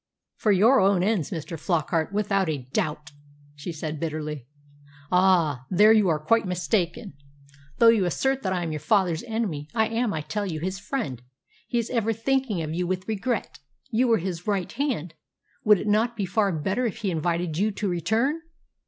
"For your own ends, Mr. Flockart, without a doubt!" she said bitterly. "Ah! there you are quite mistaken. Though you assert that I am your father's enemy, I am, I tell you, his friend. He is ever thinking of you with regret. You were his right hand. Would it not be far better if he invited you to return?"